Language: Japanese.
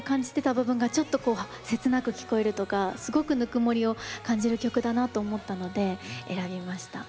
部分がちょっと切なく聞こえるとかすごくぬくもりを感じる曲だなと思ったので選びました。